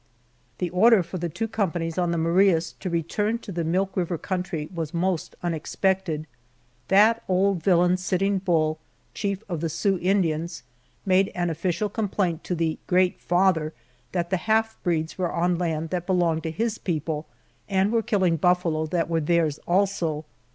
The order for the two companies on the Marias to return to the Milk River country was most unexpected. That old villain Sitting Bull, chief of the Sioux Indians, made an official complaint to the "Great Father" that the half breeds were on land that belonged to his people, and were killing buffalo that were theirs also.